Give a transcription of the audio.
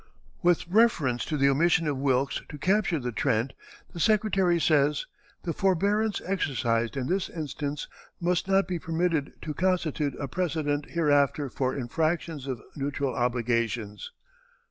With reference to the omission of Wilkes to capture the Trent, the Secretary says: "The forbearance exercised in this instance must not be permitted to constitute a precedent hereafter for infractions of neutral obligations."